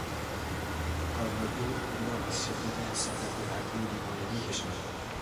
آیاگو او را از شدت حسادت به ورطهی دیوانگی کشاند.